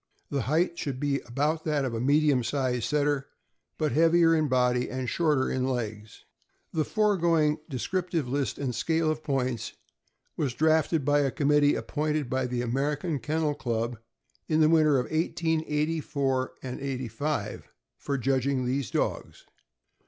The height should be about that of a medium sized Setter, but heavier in body and shorter in legs. The foregoing descriptive list and scale of points was drafted by a committee appointed by the American Ken nel Club, in the winter of 1884 85, for judging these dogs.